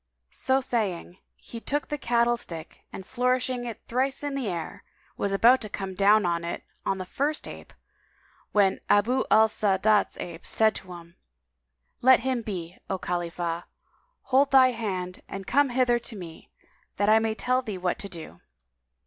So saying, he took the cattle stick and flourishing it thrice in the air, was about to come down with it on the first ape, when Abu al Sa'adat's ape said to him, "Let him be, O Khalifah, hold thy hand and come hither to me, that I may tell thee what to do."